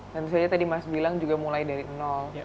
tentu saja tadi mas bilang juga mulai dari nol